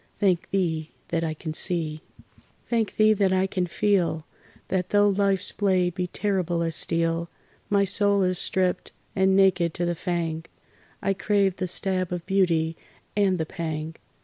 Thank Thee that I can see! Thank Thee that I can feel! That though life's blade be terrible as steel, My soul is stript and naked to the fang, I crave the stab of beauty and the pang.